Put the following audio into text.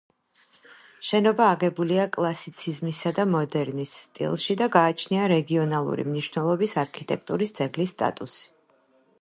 შენობა აგებულია კლასიციზმისა და მოდერნის სტილში და გააჩნია რეგიონალური მნიშვნელობის არქიტექტურის ძეგლის სტატუსი.